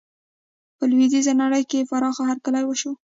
په لویدیزه نړۍ کې یې پراخه هرکلی وشو.